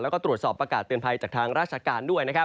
และตรวจสอบประกาศเตือนภัยจากทางราชการด้วย